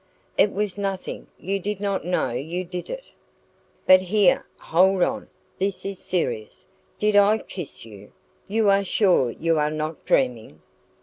"It was nothing; you did not know you did it " "But here hold on this is serious. DID I kiss YOU? You are sure you are not dreaming?"